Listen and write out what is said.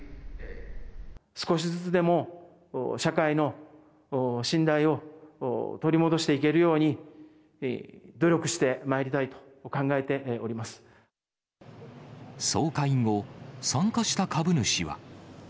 少しずつでも、社会の信頼を取り戻していけるように、努力してまいりたいと考え総会後、参加した株主は。